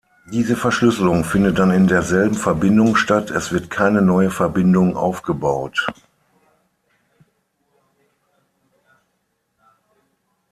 Diese Verschlüsselung findet dann in derselben Verbindung statt, es wird keine neue Verbindung aufgebaut.